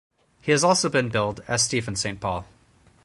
He has also been billed as Stephen Saint Paul.